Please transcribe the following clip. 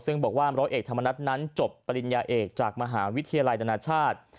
ซึ่งบอกว่าร้อยเอกธรรมนัฐนั้นจบปริญญาเอกจากมหาวิทยาลัยนานาชาติ